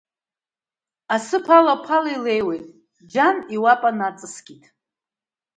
Асы ԥала-ԥала илеиуеит, џьан иуапа наҵаскит.